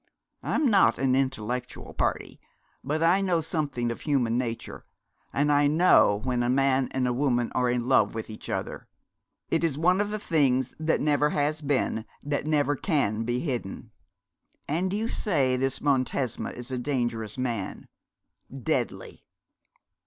I'm not an intellectual party, but I know something of human nature, and I know when a man and woman are in love with each other. It is one of the things that never has been, that never can be hidden.' 'And you say this Montesma is a dangerous man?' 'Deadly.'